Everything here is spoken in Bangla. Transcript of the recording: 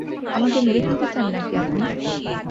আমাকে মেরে ফেলতে চান নাকি আপনি?